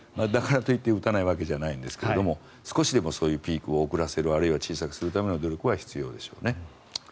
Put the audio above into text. だからといって打たないわけじゃないんですが少しでもそういうピークを遅らせるあるいは小さくするための努力は必要でしょうね。